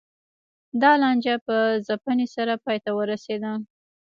دا لانجه په ځپنې سره پای ته ورسېده